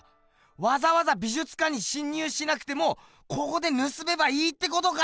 わざわざ美術館に侵入しなくてもここでぬすめばいいってことか！